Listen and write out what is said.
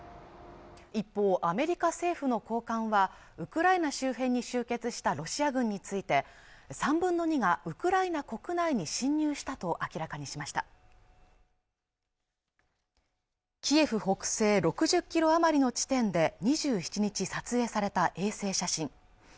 一方アメリカ政府の高官はウクライナ周辺に集結したロシア軍について３分の２がウクライナ国内に侵入したと明らかにしましたキエフ北西６０キロ余りの地点で２７日撮影された衛星写真